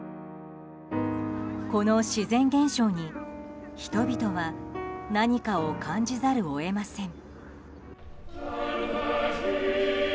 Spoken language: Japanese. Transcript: この自然現象に、人々は何かを感じざるを得ません。